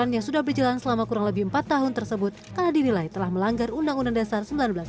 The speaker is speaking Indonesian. yang sudah berjalan selama kurang lebih empat tahun tersebut karena dinilai telah melanggar undang undang dasar seribu sembilan ratus empat puluh